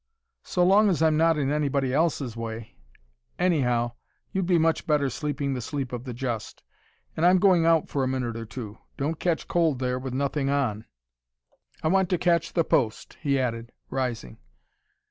"So long as I'm not in anybody else's way Anyhow, you'd be much better sleeping the sleep of the just. And I'm going out for a minute or two. Don't catch cold there with nothing on "I want to catch the post," he added, rising.